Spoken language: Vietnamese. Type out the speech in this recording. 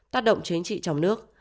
tác động chính trị trong nước